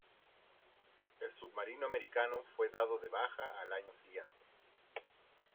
El submarino americano fue dado de baja al año siguiente.